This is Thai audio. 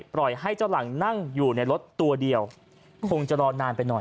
ปล่อยให้เจ้าหลังนั่งอยู่ในรถตัวเดียวคงจะรอนานไปหน่อย